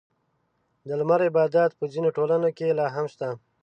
• د لمر عبادت په ځینو ټولنو کې لا هم شته.